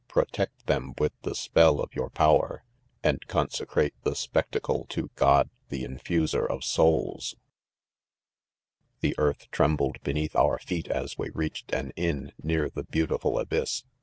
protect them with the spell of your power, and consecrate the spectacle v to "God the mfuserofsoulslV c The earth trembled beneath out feet as we. reached an ion near the beautiful abyss.